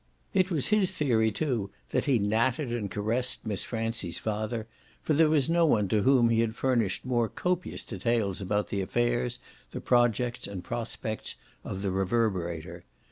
It was his theory too that he nattered and caressed Miss Francie's father, for there was no one to whom he had furnished more copious details about the affairs, the projects and prospects, of the Reverberator.